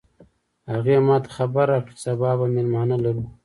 هغې ما ته خبر راکړ چې سبا به مېلمانه لرو